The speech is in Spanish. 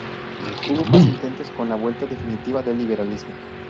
Hubo más intentos con la vuelta definitiva del liberalismo.